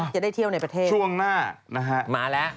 จะได้เที่ยวในประเทศช่วงหน้านะฮะมาแล้ว